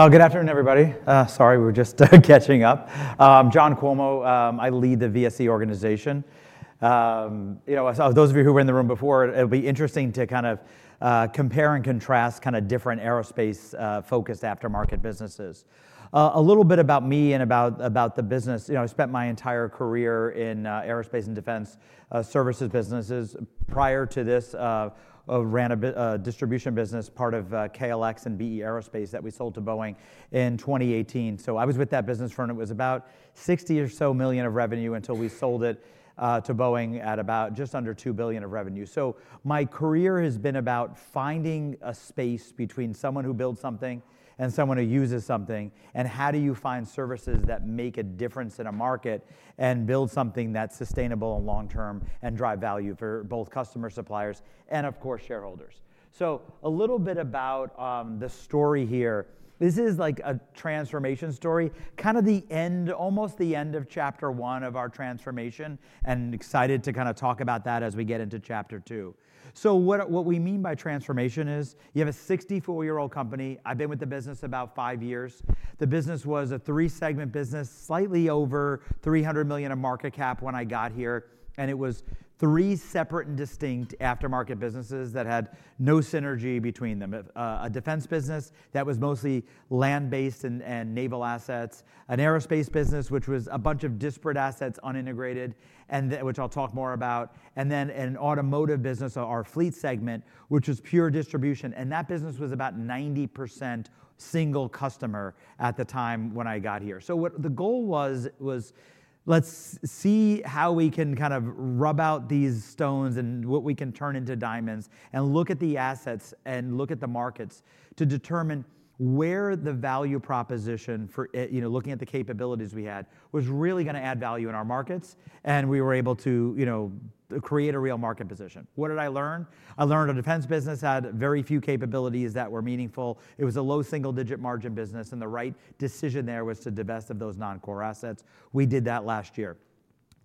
Good afternoon, everybody. Sorry, we're just catching up. John Cuomo, I lead the VSE organization. Those of you who were in the room before, it'll be interesting to kind of compare and contrast kind of different aerospace-focused aftermarket businesses. A little bit about me and about the business. I spent my entire career in aerospace and defense services businesses. Prior to this, I ran a distribution business, part of KLX and B/E Aerospace that we sold to Boeing in 2018. So I was with that business, and it was about $60 or so million of revenue until we sold it to Boeing at about just under $2 billion of revenue. So my career has been about finding a space between someone who builds something and someone who uses something. How do you find services that make a difference in a market and build something that's sustainable and long-term and drive value for both customers, suppliers, and of course, shareholders? A little bit about the story here. This is like a transformation story, kind of almost the end of chapter one of our transformation. Excited to kind of talk about that as we get into chapter two. What we mean by transformation is you have a 64-year-old company. I've been with the business about five years. The business was a three-segment business, slightly over $300 million of market cap when I got here. And it was three separate and distinct aftermarket businesses that had no synergy between them: a defense business that was mostly land-based and naval assets, an aerospace business, which was a bunch of disparate assets unintegrated, which I'll talk more about, and then an automotive business, our fleet segment, which was pure distribution. And that business was about 90% single customer at the time when I got here. So what the goal was, let's see how we can kind of rub out these stones and what we can turn into diamonds and look at the assets and look at the markets to determine where the value proposition for looking at the capabilities we had was really going to add value in our markets. And we were able to create a real market position. What did I learn? I learned a defense business had very few capabilities that were meaningful. It was a low single-digit margin business, and the right decision there was to divest of those non-core assets. We did that last year.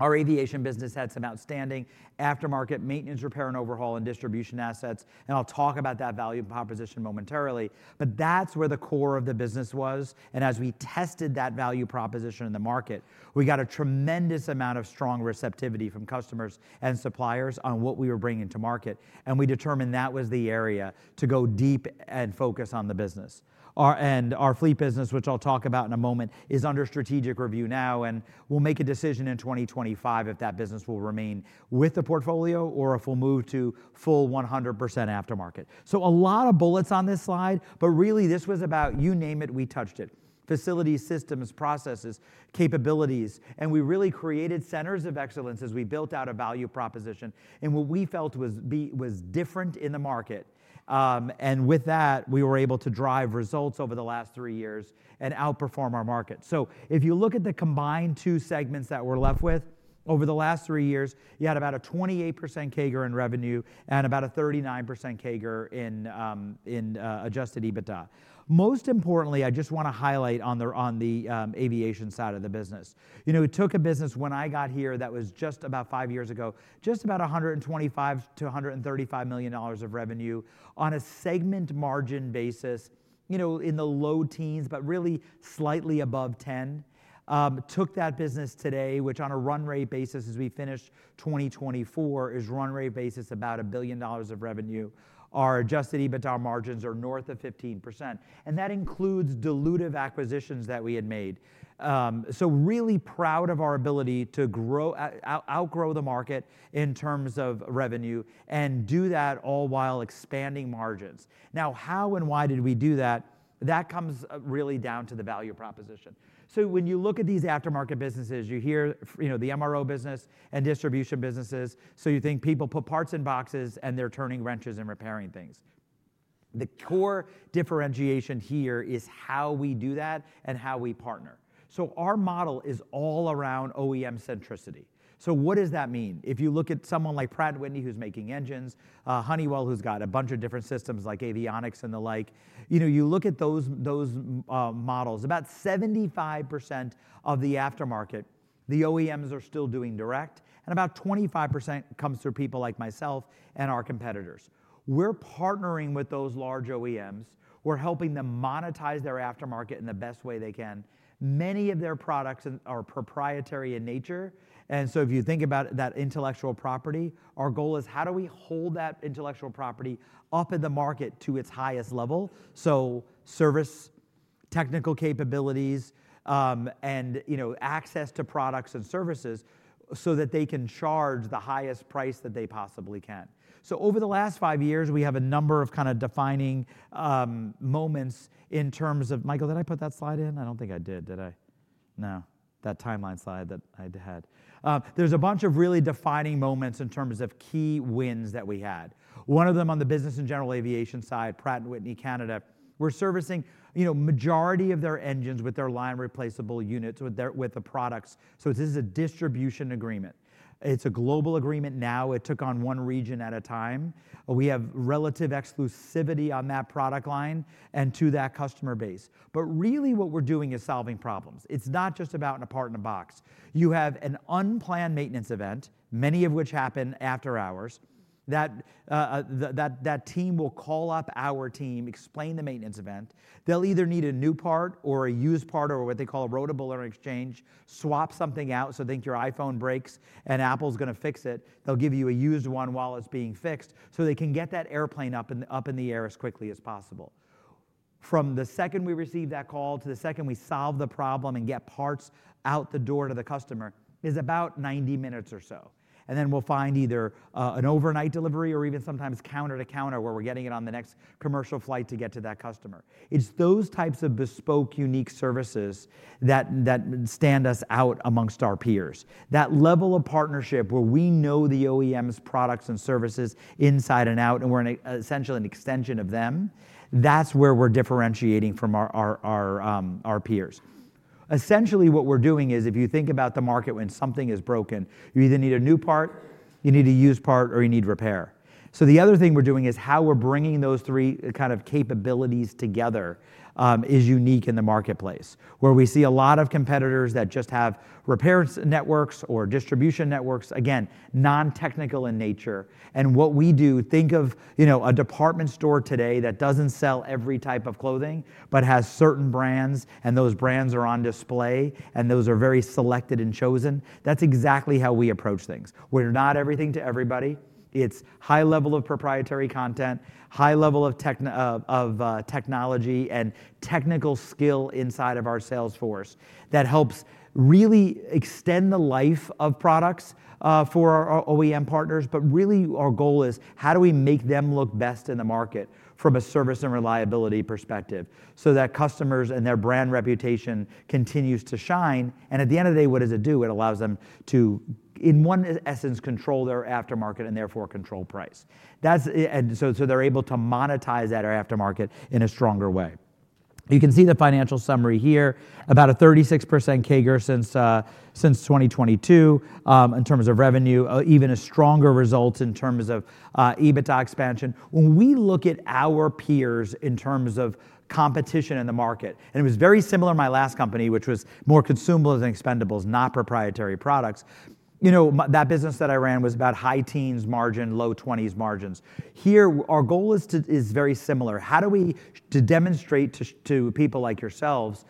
Our aviation business had some outstanding aftermarket maintenance, repair, and overhaul and distribution assets, and I'll talk about that value proposition momentarily, but that's where the core of the business was, and as we tested that value proposition in the market, we got a tremendous amount of strong receptivity from customers and suppliers on what we were bringing to market, and we determined that was the area to go deep and focus on the business, and our fleet business, which I'll talk about in a moment, is under strategic review now, and we'll make a decision in 2025 if that business will remain with the portfolio or if we'll move to full 100% aftermarket. So a lot of bullets on this slide, but really this was about, you name it, we touched it: facilities, systems, processes, capabilities. And we really created centers of excellence as we built out a value proposition and what we felt was different in the market. And with that, we were able to drive results over the last three years and outperform our market. So if you look at the combined two segments that we're left with over the last three years, you had about a 28% CAGR in revenue and about a 39% CAGR in adjusted EBITDA. Most importantly, I just want to highlight on the aviation side of the business. I took a business when I got here that was just about five years ago, just about $125 million-$135 million of revenue on a segment margin basis in the low teens, but really slightly above 10. Took that business today, which on a run rate basis, as we finished 2024, is run rate basis about $1 billion of revenue. Our adjusted EBITDA margins are north of 15%. And that includes dilutive acquisitions that we had made. So really proud of our ability to outgrow the market in terms of revenue and do that all while expanding margins. Now, how and why did we do that? That comes really down to the value proposition. So when you look at these aftermarket businesses, you hear the MRO business and distribution businesses. So you think people put parts in boxes and they're turning wrenches and repairing things. The core differentiation here is how we do that and how we partner. So our model is all around OEM centricity. So what does that mean? If you look at someone like Pratt & Whitney, who's making engines, Honeywell, who's got a bunch of different systems like avionics and the like, you look at those models, about 75% of the aftermarket, the OEMs are still doing direct, and about 25% comes through people like myself and our competitors. We're partnering with those large OEMs. We're helping them monetize their aftermarket in the best way they can. Many of their products are proprietary in nature. And so if you think about that intellectual property, our goal is how do we hold that intellectual property up in the market to its highest level? So service, technical capabilities, and access to products and services so that they can charge the highest price that they possibly can. So over the last five years, we have a number of kind of defining moments in terms of Michael. Did I put that slide in? I don't think I did, did I? No, that timeline slide that I had. There's a bunch of really defining moments in terms of key wins that we had. One of them on the business and general aviation side, Pratt & Whitney Canada, we're servicing the majority of their engines with their line replaceable units with the products. So this is a distribution agreement. It's a global agreement now. It took on one region at a time. We have relative exclusivity on that product line and to that customer base. But really what we're doing is solving problems. It's not just about a part in a box. You have an unplanned maintenance event, many of which happen after hours. That team will call up our team, explain the maintenance event. They'll either need a new part or a used part or what they call a rotable or an exchange, swap something out, so think your iPhone breaks and Apple's going to fix it. They'll give you a used one while it's being fixed so they can get that airplane up in the air as quickly as possible. From the second we receive that call to the second we solve the problem and get parts out the door to the customer is about 90 minutes or so, and then we'll find either an overnight delivery or even sometimes counter to counter where we're getting it on the next commercial flight to get to that customer. It's those types of bespoke unique services that stand us out amongst our peers. That level of partnership where we know the OEM's products and services inside and out, and we're essentially an extension of them, that's where we're differentiating from our peers. Essentially, what we're doing is if you think about the market when something is broken, you either need a new part, you need a used part, or you need repair. So the other thing we're doing is how we're bringing those three kind of capabilities together is unique in the marketplace where we see a lot of competitors that just have repair networks or distribution networks, again, non-technical in nature, and what we do, think of a department store today that doesn't sell every type of clothing but has certain brands, and those brands are on display, and those are very selected and chosen. That's exactly how we approach things. We're not everything to everybody. It's high level of proprietary content, high level of technology and technical skill inside of our sales force that helps really extend the life of products for our OEM partners. But really our goal is how do we make them look best in the market from a service and reliability perspective so that customers and their brand reputation continues to shine, and at the end of the day, what does it do? It allows them to, in one essence, control their aftermarket and therefore control price, so they're able to monetize that aftermarket in a stronger way. You can see the financial summary here, about a 36% CAGR since 2022 in terms of revenue, even a stronger result in terms of EBITDA expansion. When we look at our peers in terms of competition in the market, and it was very similar in my last company, which was more consumables than expendables, not proprietary products. That business that I ran was about high teens margin, low 20s margins. Here, our goal is very similar. How do we demonstrate to people like yourselves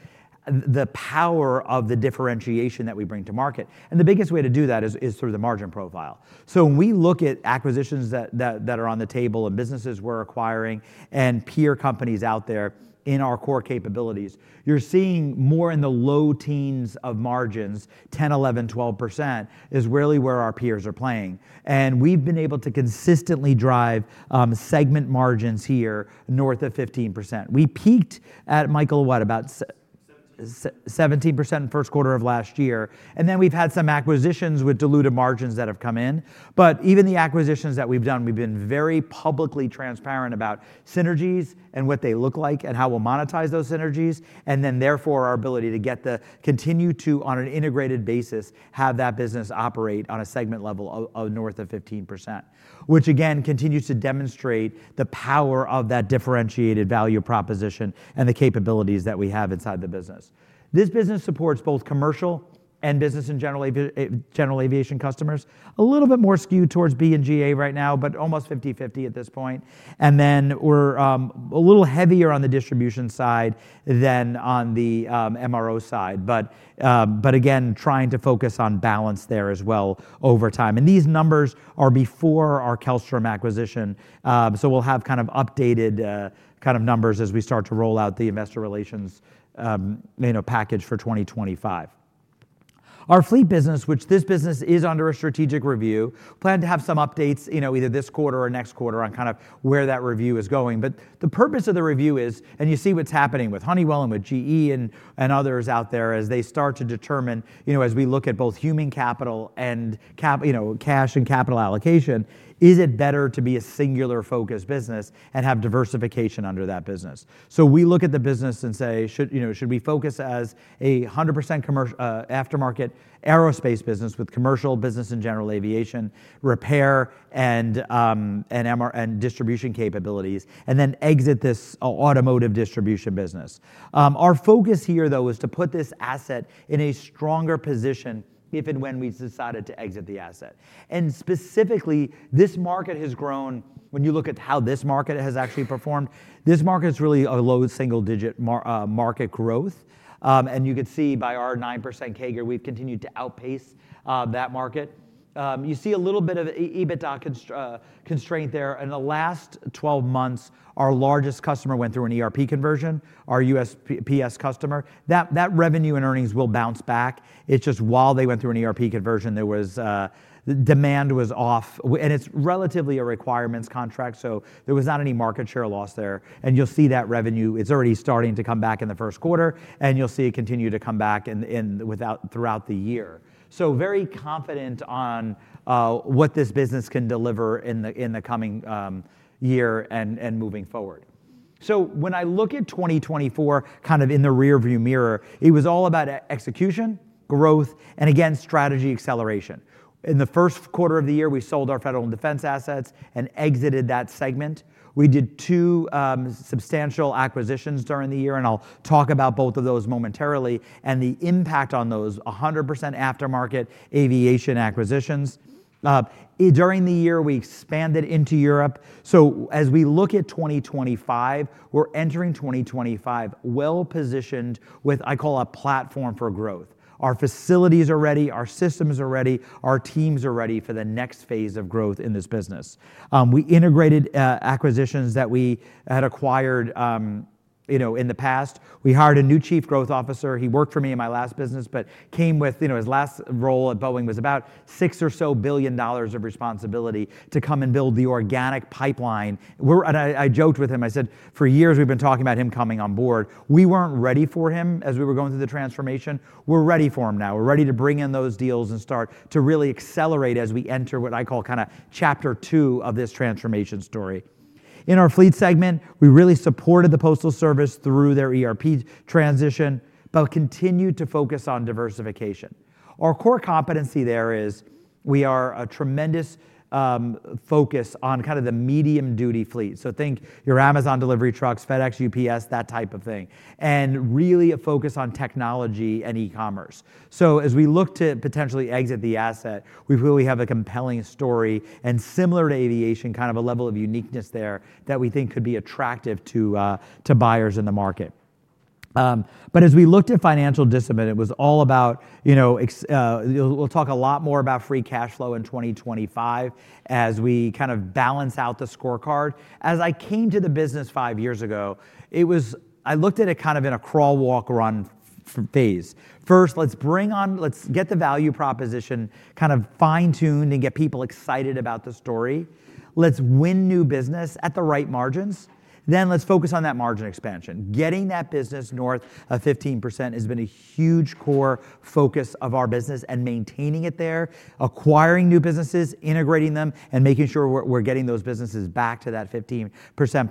the power of the differentiation that we bring to market? And the biggest way to do that is through the margin profile. So when we look at acquisitions that are on the table and businesses we're acquiring and peer companies out there in our core capabilities, you're seeing more in the low teens of margins, 10, 11, 12% is really where our peers are playing. And we've been able to consistently drive segment margins here north of 15%. We peaked at, Michael, what, about. 17% in the first quarter of last year. And then we've had some acquisitions with dilutive margins that have come in. But even the acquisitions that we've done, we've been very publicly transparent about synergies and what they look like and how we'll monetize those synergies. And then therefore our ability to continue to, on an integrated basis, have that business operate on a segment level of north of 15%, which again continues to demonstrate the power of that differentiated value proposition and the capabilities that we have inside the business. This business supports both commercial and business and general aviation customers. A little bit more skewed towards B&GA right now, but almost 50/50 at this point. And then we're a little heavier on the distribution side than on the MRO side. But again, trying to focus on balance there as well over time. These numbers are before our Kellstrom acquisition. We'll have kind of updated kind of numbers as we start to roll out the investor relations package for 2025. Our fleet business, which this business is under a strategic review, plan to have some updates either this quarter or next quarter on kind of where that review is going. The purpose of the review is, and you see what's happening with Honeywell and with GE and others out there as they start to determine, as we look at both human capital and cash and capital allocation, is it better to be a singular focus business and have diversification under that business? We look at the business and say, should we focus as a 100% aftermarket aerospace business with commercial, business and general aviation, repair, and distribution capabilities, and then exit this automotive distribution business? Our focus here, though, is to put this asset in a stronger position if and when we decided to exit the asset, and specifically, this market has grown. When you look at how this market has actually performed, this market is really a low single-digit market growth, and you could see by our 9% CAGR, we've continued to outpace that market. You see a little bit of EBITDA constraint there. In the last 12 months, our largest customer went through an ERP conversion, our USPS customer. That revenue and earnings will bounce back. It's just while they went through an ERP conversion, the demand was off, and it's relatively a requirements contract. So there was not any market share loss there, and you'll see that revenue. It's already starting to come back in the first quarter, and you'll see it continue to come back throughout the year. So, very confident on what this business can deliver in the coming year and moving forward. So when I look at 2024 kind of in the rearview mirror, it was all about execution, growth, and again, strategy acceleration. In the first quarter of the year, we sold our federal and defense assets and exited that segment. We did two substantial acquisitions during the year, and I'll talk about both of those momentarily and the impact on those 100% aftermarket aviation acquisitions. During the year, we expanded into Europe, so as we look at 2025, we're entering 2025 well-positioned with, I call it, a platform for growth. Our facilities are ready. Our systems are ready. Our teams are ready for the next phase of growth in this business. We integrated acquisitions that we had acquired in the past. We hired a new chief growth officer. He worked for me in my last business, but came with his last role at Boeing was about $6 billion or so of responsibility to come and build the organic pipeline. I joked with him. I said, for years, we've been talking about him coming on board. We weren't ready for him as we were going through the transformation. We're ready for him now. We're ready to bring in those deals and start to really accelerate as we enter what I call kind of chapter two of this transformation story. In our fleet segment, we really supported the Postal Service through their ERP transition, but continued to focus on diversification. Our core competency there is we are a tremendous focus on kind of the medium-duty fleet. So think your Amazon delivery trucks, FedEx, UPS, that type of thing, and really a focus on technology and e-commerce. So as we look to potentially exit the asset, we really have a compelling story and similar to aviation kind of a level of uniqueness there that we think could be attractive to buyers in the market. But as we looked at financial discipline, it was all about. We'll talk a lot more about free cash flow in 2025 as we kind of balance out the scorecard. As I came to the business five years ago, I looked at it kind of in a crawl, walk, run phase. First, let's get the value proposition kind of fine-tuned and get people excited about the story. Let's win new business at the right margins. Then let's focus on that margin expansion. Getting that business north of 15% has been a huge core focus of our business and maintaining it there, acquiring new businesses, integrating them, and making sure we're getting those businesses back to that 15%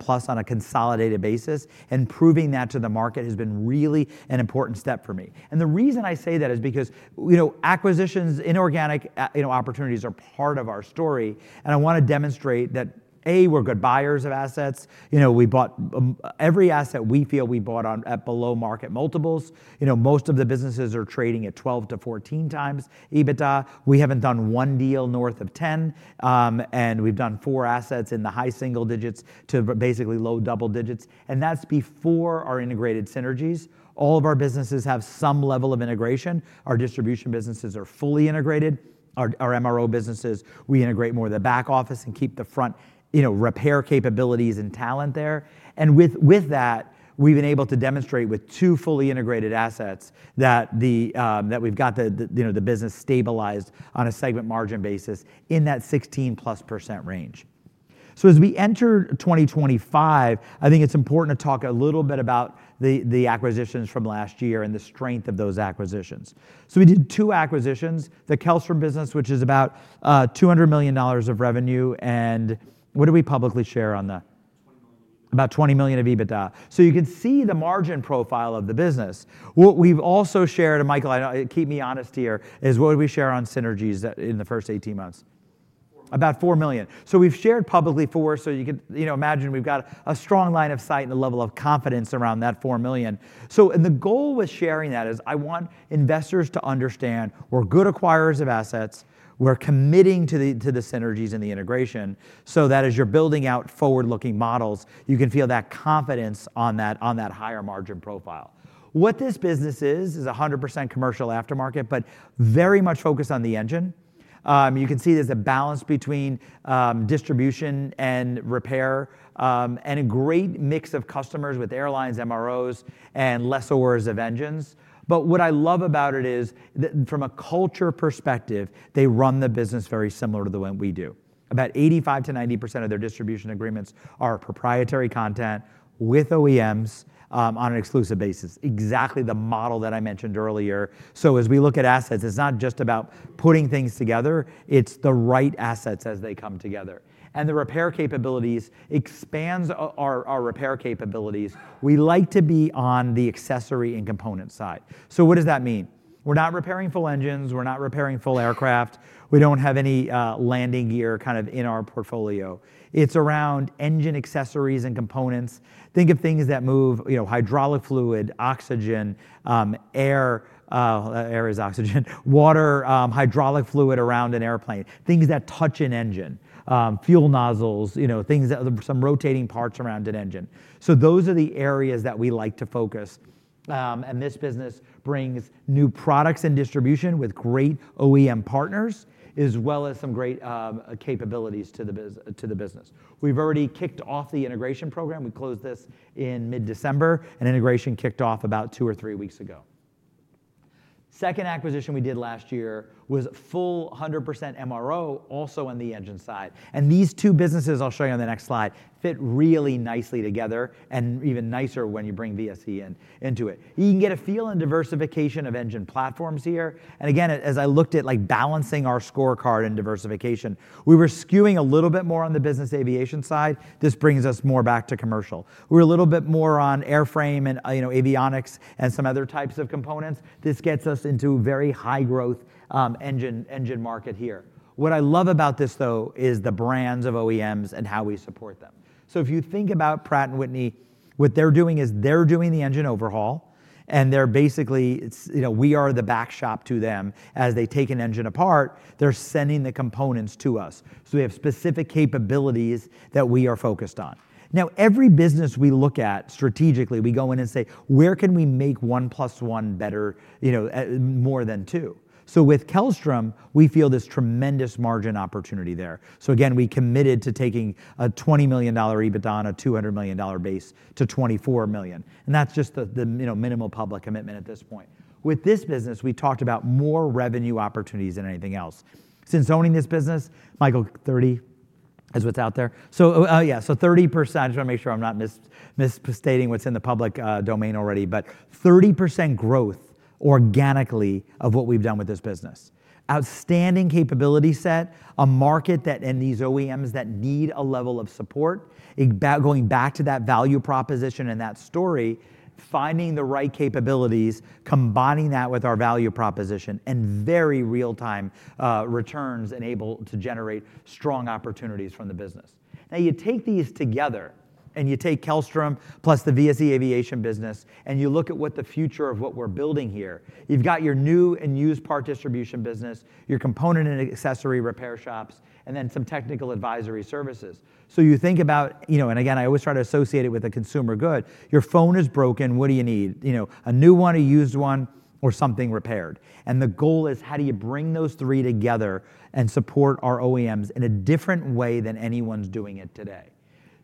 plus on a consolidated basis and proving that to the market has been really an important step for me. And the reason I say that is because acquisitions and organic opportunities are part of our story. And I want to demonstrate that, A, we're good buyers of assets. We bought every asset we feel we bought at below-market multiples. Most of the businesses are trading at 12x-14x EBITDA. We haven't done one deal north of 10. And we've done four assets in the high single digits to basically low double digits. And that's before our integrated synergies. All of our businesses have some level of integration. Our distribution businesses are fully integrated. Our MRO businesses, we integrate more of the back office and keep the front repair capabilities and talent there. And with that, we've been able to demonstrate with two fully integrated assets that we've got the business stabilized on a segment margin basis in that 16% plus range. So as we enter 2025, I think it's important to talk a little bit about the acquisitions from last year and the strength of those acquisitions. So we did two acquisitions, the Kellstrom business, which is about $200 million of revenue. And what did we publicly share on that? About $20 million of EBITDA. So you can see the margin profile of the business. What we've also shared, and Michael, keep me honest here, is what did we share on synergies in the first 18 months? About $4 million. So we've shared publicly $4. So you can imagine we've got a strong line of sight and a level of confidence around that $4 million. So the goal with sharing that is, I want investors to understand we're good acquirers of assets. We're committing to the synergies and the integration so that as you're building out forward-looking models, you can feel that confidence on that higher margin profile. What this business is, is 100% commercial aftermarket, but very much focused on the engine. You can see there's a balance between distribution and repair, and a great mix of customers with airlines, MROs, and lessors of engines. But what I love about it is from a culture perspective, they run the business very similar to the way we do. About 85%-90% of their distribution agreements are proprietary content with OEMs on an exclusive basis, exactly the model that I mentioned earlier, so as we look at assets, it's not just about putting things together. It's the right assets as they come together, and the repair capabilities expand our repair capabilities. We like to be on the accessory and component side, so what does that mean? We're not repairing full engines. We're not repairing full aircraft. We don't have any landing gear kind of in our portfolio. It's around engine accessories and components. Think of things that move hydraulic fluid, oxygen, air is oxygen, water, hydraulic fluid around an airplane, things that touch an engine, fuel nozzles, things that some rotating parts around an engine, so those are the areas that we like to focus. And this business brings new products and distribution with great OEM partners as well as some great capabilities to the business. We've already kicked off the integration program. We closed this in mid-December, and integration kicked off about two or three weeks ago. Second acquisition we did last year was full 100% MRO, also on the engine side. And these two businesses, I'll show you on the next slide, fit really nicely together and even nicer when you bring VSE into it. You can get a feel and diversification of engine platforms here. And again, as I looked at balancing our scorecard and diversification, we were skewing a little bit more on the business aviation side. This brings us more back to commercial. We're a little bit more on airframe and avionics and some other types of components. This gets us into very high growth engine market here. What I love about this, though, is the brands of OEMs and how we support them. So if you think about Pratt & Whitney, what they're doing is they're doing the engine overhaul. And basically, we are the back shop to them. As they take an engine apart, they're sending the components to us. So we have specific capabilities that we are focused on. Now, every business we look at strategically, we go in and say, where can we make one plus one better more than two? So with Kellstrom, we feel this tremendous margin opportunity there. So again, we committed to taking a $20 million EBITDA on a $200 million base to $24 million. And that's just the minimal public commitment at this point. With this business, we talked about more revenue opportunities than anything else. Since owning this business, Michael, 30 is what's out there. So yeah, so 30%. I just want to make sure I'm not misstating what's in the public domain already, but 30% growth organically of what we've done with this business. Outstanding capability set, a market and these OEMs that need a level of support. Going back to that value proposition and that story, finding the right capabilities, combining that with our value proposition and very real-time returns enabled to generate strong opportunities from the business. Now, you take these together and you take Kellstrom plus the VSE aviation business and you look at what the future of what we're building here. You've got your new and used part distribution business, your component and accessory repair shops, and then some technical advisory services. So you think about, and again, I always try to associate it with a consumer good. Your phone is broken. What do you need? A new one, a used one, or something repaired. And the goal is how do you bring those three together and support our OEMs in a different way than anyone's doing it today.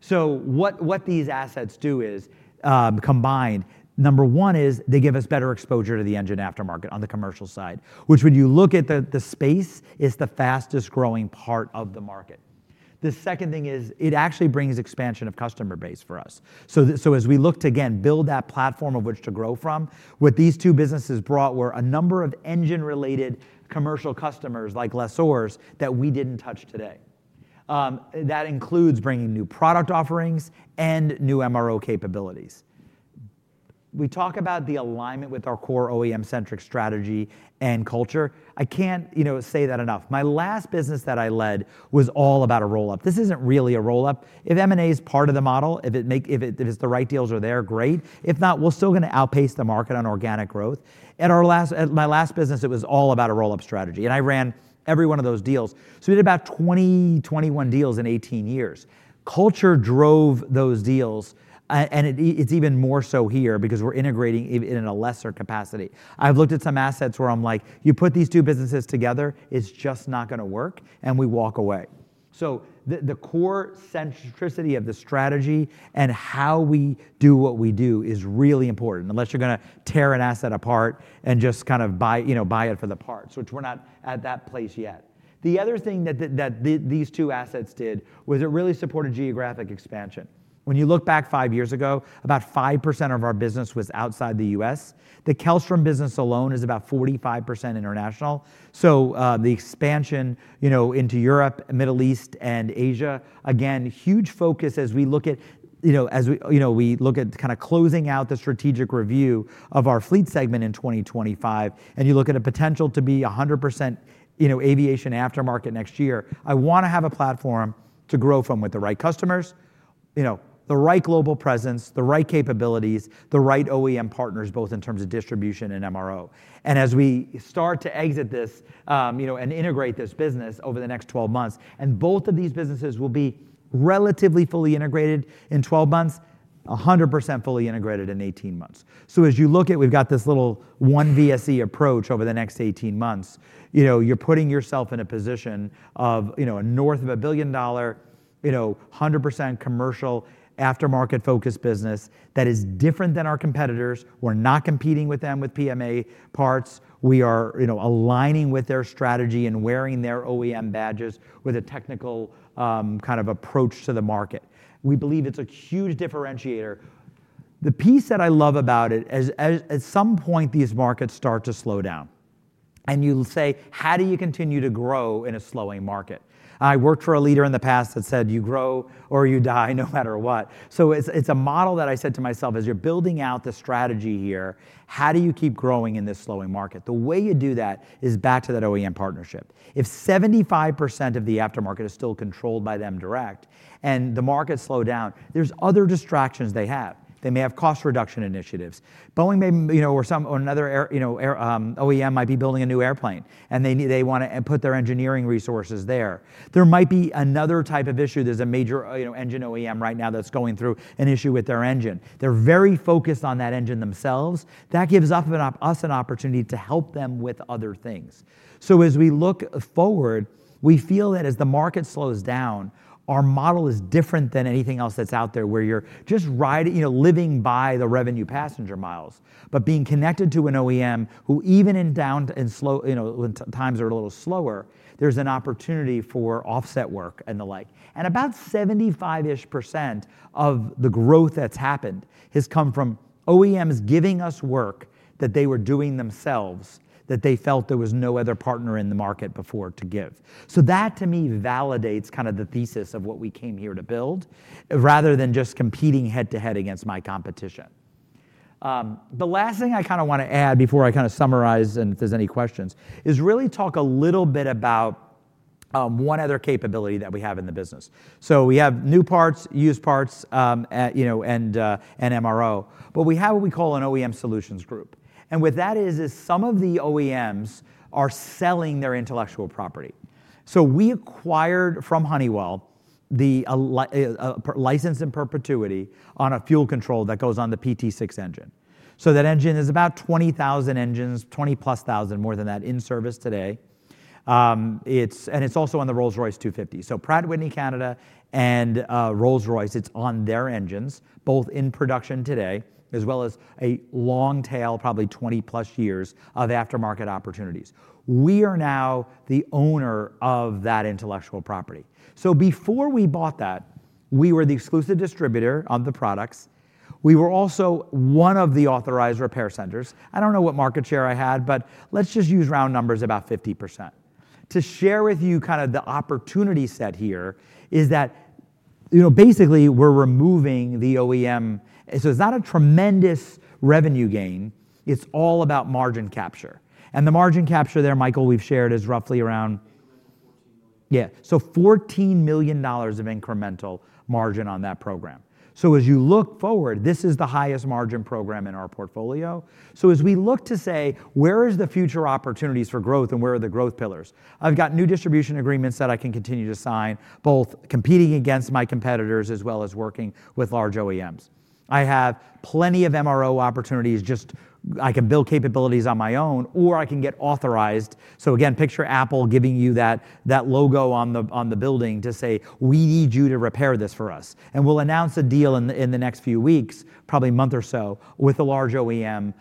So what these assets do is combined. Number one is they give us better exposure to the engine aftermarket on the commercial side, which when you look at the space, is the fastest growing part of the market. The second thing is it actually brings expansion of customer base for us. So as we look to, again, build that platform of which to grow from, what these two businesses brought were a number of engine-related commercial customers like lessors that we didn't touch today. That includes bringing new product offerings and new MRO capabilities. We talk about the alignment with our core OEM-centric strategy and culture. I can't say that enough. My last business that I led was all about a roll-up. This isn't really a roll-up. If M&A is part of the model, if the right deals are there, great. If not, we're still going to outpace the market on organic growth. At my last business, it was all about a roll-up strategy, and I ran every one of those deals, so we did about 20, 21 deals in 18 years. Culture drove those deals, and it's even more so here because we're integrating in a lesser capacity. I've looked at some assets where I'm like, you put these two businesses together, it's just not going to work, and we walk away. The core centricity of the strategy and how we do what we do is really important unless you're going to tear an asset apart and just kind of buy it for the parts, which we're not at that place yet. The other thing that these two assets did was it really supported geographic expansion. When you look back five years ago, about 5% of our business was outside the U.S. The Kellstrom business alone is about 45% international. The expansion into Europe, Middle East, and Asia, again, huge focus as we look at kind of closing out the strategic review of our fleet segment in 2025. You look at a potential to be 100% aviation aftermarket next year. I want to have a platform to grow from with the right customers, the right global presence, the right capabilities, the right OEM partners, both in terms of distribution and MRO, and as we start to exit this and integrate this business over the next 12 months, and both of these businesses will be relatively fully integrated in 12 months, 100% fully integrated in 18 months, so as you look at, we've got this little one VSE approach over the next 18 months. You're putting yourself in a position of a north of $1 billion, 100% commercial aftermarket-focused business that is different than our competitors. We're not competing with them with PMA parts. We are aligning with their strategy and wearing their OEM badges with a technical kind of approach to the market. We believe it's a huge differentiator. The piece that I love about it, at some point, these markets start to slow down, and you'll say, how do you continue to grow in a slowing market? I worked for a leader in the past that said, you grow or you die no matter what, so it's a model that I said to myself, as you're building out the strategy here, how do you keep growing in this slowing market? The way you do that is back to that OEM partnership. If 75% of the aftermarket is still controlled by them directly and the markets slow down, there's other distractions they have. They may have cost reduction initiatives. Boeing or another OEM might be building a new airplane, and they want to put their engineering resources there. There might be another type of issue. There's a major engine OEM right now that's going through an issue with their engine. They're very focused on that engine themselves. That gives us an opportunity to help them with other things. So as we look forward, we feel that as the market slows down, our model is different than anything else that's out there where you're just living by the revenue passenger miles, but being connected to an OEM who even in times are a little slower, there's an opportunity for offset work and the like. And about 75-ish% of the growth that's happened has come from OEMs giving us work that they were doing themselves that they felt there was no other partner in the market before to give. So that, to me, validates kind of the thesis of what we came here to build rather than just competing head-to-head against my competition. The last thing I kind of want to add before I kind of summarize and if there's any questions is really talk a little bit about one other capability that we have in the business. So we have new parts, used parts, and MRO. But we have what we call an OEM Solutions Group. And what that is, is some of the OEMs are selling their intellectual property. So we acquired from Honeywell the license in perpetuity on a fuel control that goes on the PT6 engine. So that engine is about 20,000 engines, 20 plus thousand, more than that in service today. And it's also on the Rolls-Royce 250. So Pratt & Whitney Canada and Rolls-Royce, it's on their engines, both in production today, as well as a long tail, probably 20+ years of aftermarket opportunities. We are now the owner of that intellectual property. So before we bought that, we were the exclusive distributor of the products. We were also one of the authorized repair centers. I don't know what market share I had, but let's just use round numbers, about 50%. To share with you kind of the opportunity set here is that basically we're removing the OEM. So it's not a tremendous revenue gain. It's all about margin capture. And the margin capture there, Michael, we've shared is roughly around. Yeah. So $14 million of incremental margin on that program. So as you look forward, this is the highest margin program in our portfolio. So as we look to say, where are the future opportunities for growth and where are the growth pillars? I've got new distribution agreements that I can continue to sign, both competing against my competitors as well as working with large OEMs. I have plenty of MRO opportunities. Just, I can build capabilities on my own or I can get authorized. So again, picture Apple giving you that logo on the building to say, we need you to repair this for us. We'll announce a deal in the next few weeks, probably a month or so, with a large OEM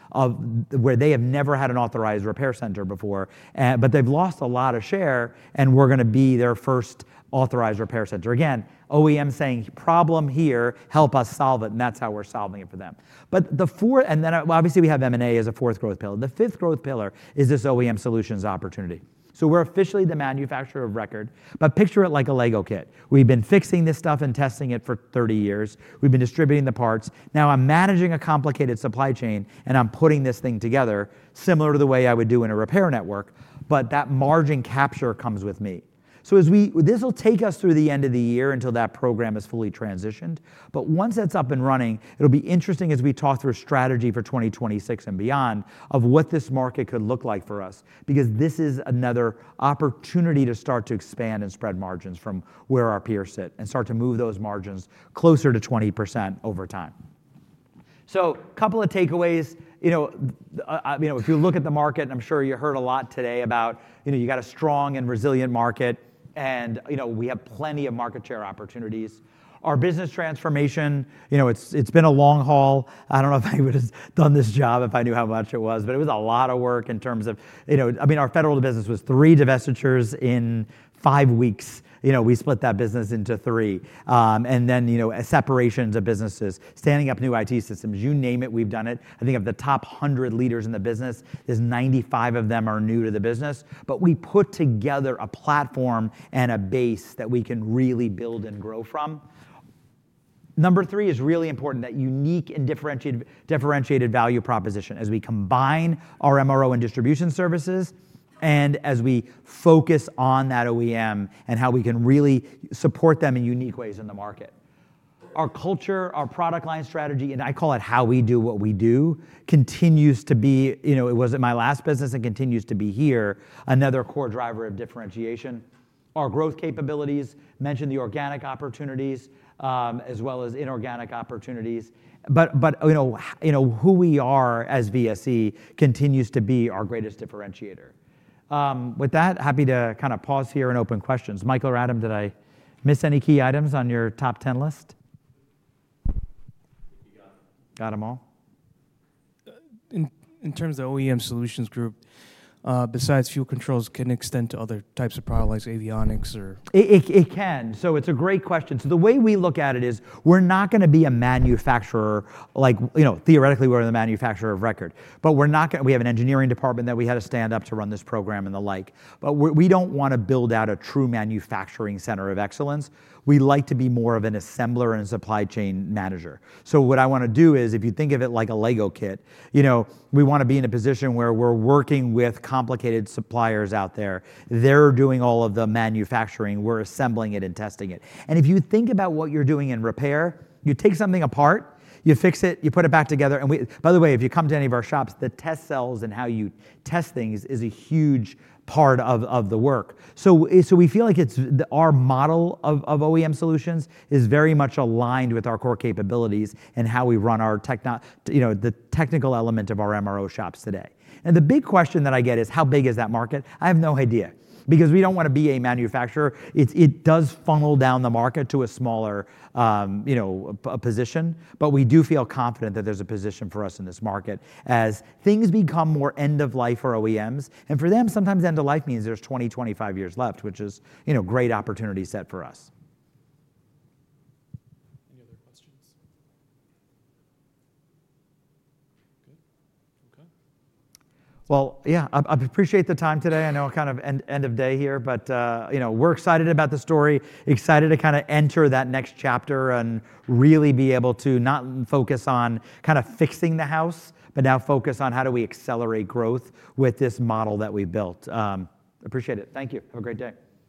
where they have never had an authorized repair center before, but they've lost a lot of share and we're going to be their first authorized repair center. Again, OEM saying, problem here, help us solve it. And that's how we're solving it for them. And then obviously we have M&A as a fourth growth pillar. The fifth growth pillar is this OEM solutions opportunity. So we're officially the manufacturer of record, but picture it like a Lego kit. We've been fixing this stuff and testing it for 30 years. We've been distributing the parts. Now I'm managing a complicated supply chain and I'm putting this thing together similar to the way I would do in a repair network, but that margin capture comes with me. So this will take us through the end of the year until that program is fully transitioned. But once it's up and running, it'll be interesting as we talk through strategy for 2026 and beyond of what this market could look like for us because this is another opportunity to start to expand and spread margins from where our peers sit and start to move those margins closer to 20% over time. So a couple of takeaways. If you look at the market, and I'm sure you heard a lot today about you got a strong and resilient market and we have plenty of market share opportunities. Our business transformation, it's been a long haul. I don't know if I would have done this job if I knew how much it was, but it was a lot of work in terms of, I mean, our federal business was three divestitures in five weeks. We split that business into three. And then separations of businesses, standing up new IT systems, you name it, we've done it. I think of the top 100 leaders in the business, 95 of them are new to the business, but we put together a platform and a base that we can really build and grow from. Number three is really important, that unique and differentiated value proposition as we combine our MRO and distribution services and as we focus on that OEM and how we can really support them in unique ways in the market. Our culture, our product line strategy, and I call it how we do what we do continues to be. It wasn't my last business and continues to be here, another core driver of differentiation. Our growth capabilities, mentioned the organic opportunities as well as inorganic opportunities. But who we are as VSE continues to be our greatest differentiator. With that, happy to kind of pause here and open questions. Michael or Adam, did I miss any key items on your top 10 list? Got them all? In terms of OEM solutions group, besides fuel controls, can it extend to other types of products like avionics or? It can. So it's a great question. So the way we look at it is we're not going to be a manufacturer. Theoretically, we're the manufacturer of record, but we have an engineering department that we had to stand up to run this program and the like. But we don't want to build out a true manufacturing center of excellence. We like to be more of an assembler and a supply chain manager. So what I want to do is if you think of it like a Lego kit, we want to be in a position where we're working with complicated suppliers out there. They're doing all of the manufacturing. We're assembling it and testing it. And if you think about what you're doing in repair, you take something apart, you fix it, you put it back together. And by the way, if you come to any of our shops, the test cells and how you test things is a huge part of the work. So we feel like our model of OEM solutions is very much aligned with our core capabilities and how we run the technical element of our MRO shops today. And the big question that I get is how big is that market? I have no idea because we don't want to be a manufacturer. It does funnel down the market to a smaller position, but we do feel confident that there's a position for us in this market as things become more end-of-life for OEMs. And for them, sometimes end-of-life means there's 20-25 years left, which is a great opportunity set for us. Well, yeah, I appreciate the time today. I know kind of end of day here, but we're excited about the story, excited to kind of enter that next chapter and really be able to not focus on kind of fixing the house, but now focus on how do we accelerate growth with this model that we built. Appreciate it. Thank you. Have a great day.